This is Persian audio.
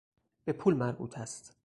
به پول مربوط است.